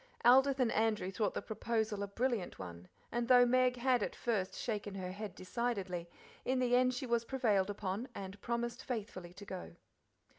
Aldith and Andrew thought the proposal a brilliant one; and though Meg had at first shaken her head decidedly, in the end she was prevailed upon, and promised faithfully to go.